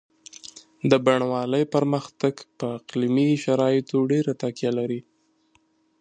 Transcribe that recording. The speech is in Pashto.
د بڼوالۍ پرمختګ په اقلیمي شرایطو ډېره تکیه لري.